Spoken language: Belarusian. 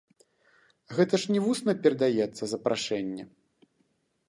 Гэта ж не вусна перадаецца, запрашэнне.